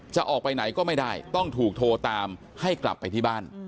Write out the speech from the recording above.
จะออกไปไหนก็ไม่ได้ต้องถูกโทรตามให้กลับไปที่บ้าน